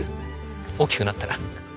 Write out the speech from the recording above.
大きくなったら。